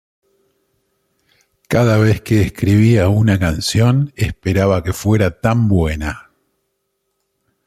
Cada vez que escribía una canción, esperaba que fuera tan buena.